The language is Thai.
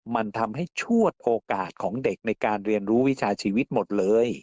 มันทำให้ชวดโอกาสของเด็กในการเรียนรู้วิชาชีวิตหมดเลย